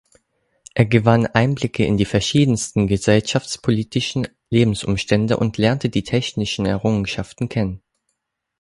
Er gewann Einblicke in die verschiedensten gesellschaftspolitischen Lebensumstände und lernte die technischen Errungenschaften kennen.